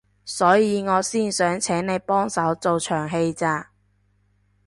所以我先想請你幫手做場戲咋